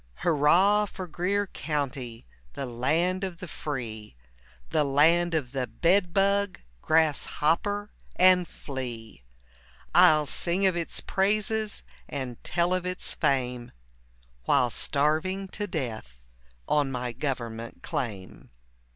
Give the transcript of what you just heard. Hurrah for Greer County! The land of the free, The land of the bed bug, Grass hopper and flea; I'll sing of its praises And tell of its fame, While starving to death On my government claim.